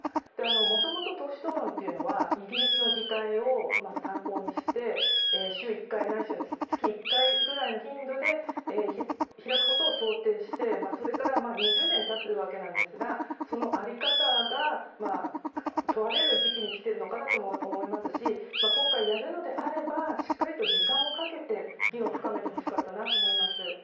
もともと党首討論ってイギリスの議会を参考にして週１回ないしは月１回ぐらいの頻度で開くことを想定して、それから２０年経つわけなんでさすがその在り方が問われる時期に来ているのかなとも思いますし今回、やるのであればしっかりと時間をかけて議論を深めてほしかったなと思います。